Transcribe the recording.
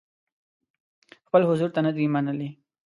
خپل حضور ته نه دي منلي.